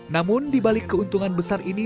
namun dibalik keuntungan besar ini